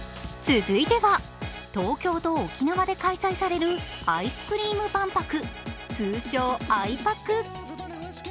続いては、東京は沖縄で開催されるアイスクリーム万博、通称あいぱく。